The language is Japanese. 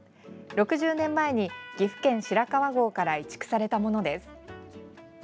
６０年前に岐阜県白川郷から移築されたものです。